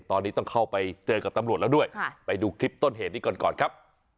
ตอนนี้ต้องเข้าไปเจอกับตำรวจแล้วด้วยไปดูคลิปต้นเหตุนี้ก่อนก่อนครับ